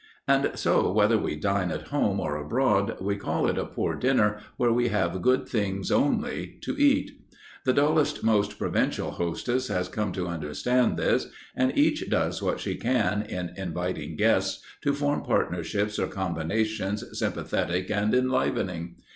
And so, whether we dine at home or abroad we call it a poor dinner where we have good things only to eat. The dullest, most provincial hostess has come to understand this, and each does what she can, in inviting guests, to form partnerships or combinations sympathetic and enlivening.